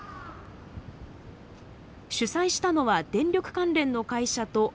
主催したのは電力関連の会社とＩＴ企業。